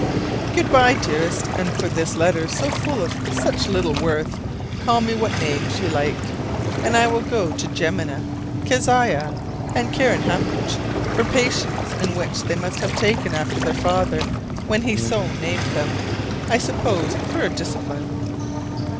Good by, dearest, and for this letter so full of such little worth call me what names you like; and I will go to Jemima, Keziah, and Kerenhappuch for the patience in which they must have taken after their father when he so named them, I suppose for a discipline.